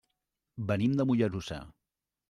Venim de Mollerussa.